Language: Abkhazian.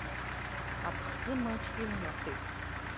Аԥхӡы маҷк илнахит.